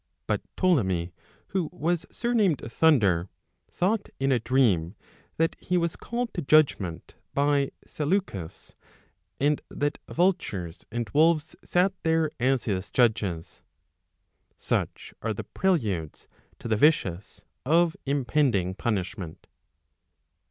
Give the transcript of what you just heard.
But Ptolemy who was surnamed Thunder, thought m a dream that he was called to judgment by Seleucus, and that vultures and wolves sat there as his judges. Such are the preludes to the vicious of impend¬ ing punishment.